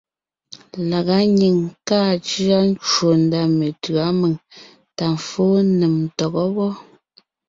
Lagá nyìŋ kàa cʉa ncwò ndá metʉ̌a mèŋ tà fó nèm ntɔgɔ́ wɔ́.